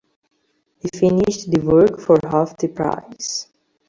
He finished the work for half the price.